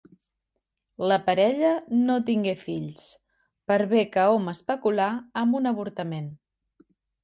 La parella no tingué fills, per bé que hom especulà amb un avortament.